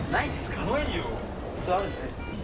普通あるんじゃないですか。